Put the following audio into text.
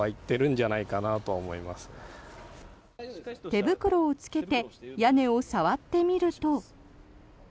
手袋を着けて屋根を触ってみると。